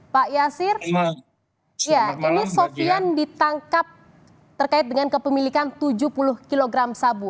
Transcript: pak yasir ini sofian ditangkap terkait dengan kepemilikan tujuh puluh kg sabu